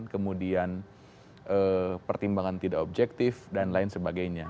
kemudian pertimbangan tidak objektif dan lain sebagainya